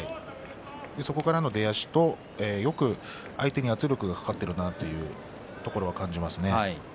そこからの出足とよく相手に圧力がかかっているなというところを感じますね。